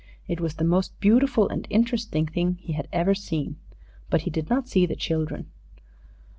It was the most beautiful and interesting thing he had ever seen. But he did not see the children.